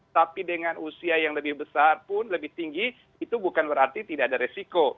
tapi dengan usia yang lebih besar pun lebih tinggi itu bukan berarti tidak ada resiko